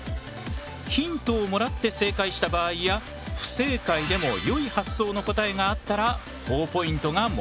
ヒントをもらって正解した場合や不正解でも良い発想の答えがあったらほぉポイントがもらえる。